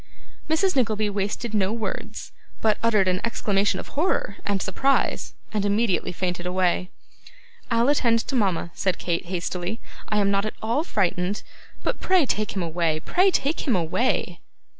Mrs. Nickleby wasted no words, but uttered an exclamation of horror and surprise, and immediately fainted away. 'I'll attend to mama,' said Kate, hastily; 'I am not at all frightened. But pray take him away: pray take him away!